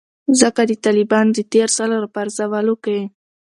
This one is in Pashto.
ځکه د طالبانو د تیر ځل راپرځولو کې